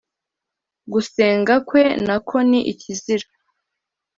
gusenga kwe na ko ni ikizira